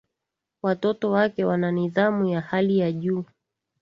Watoto wake wana nidhamu ya hali ya juu